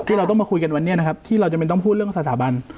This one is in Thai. เราต้องมาคุยกันวันนี้นะครับที่เราจะไม่ต้องพูดเรื่องสถาบัน